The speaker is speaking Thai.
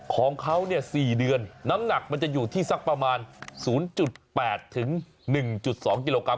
ของเขา๔เดือนน้ำหนักมันจะอยู่ที่สักประมาณ๐๘๑๒กิโลกรั